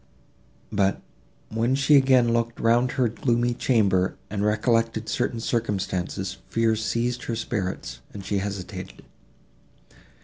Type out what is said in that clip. But, when she again looked round her gloomy chamber, and recollected certain circumstances, fear seized her spirits, and she hesitated.